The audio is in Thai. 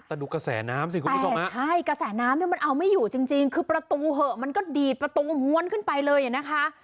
แต่ดูกระแสน้ำสิคุณผู้ชมใช่กระแสน้ำเนี่ยมันเอาไม่อยู่จริงคือประตูเหอะมันก็ดีดประตูม้วนขึ้นไปเลยอ่ะนะคะ